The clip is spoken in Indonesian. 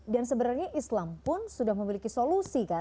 dan sebenarnya islam pun sudah memiliki solusi kan